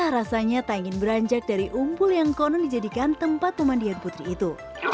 rasanya tak ingin beranjak dari umpul yang konon dijadikan tempat pemandian putri itu